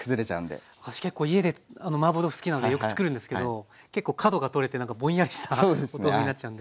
私結構家でマーボー豆腐好きなのでよくつくるんですけど結構角が取れて何かぼんやりしたお豆腐になっちゃうんで。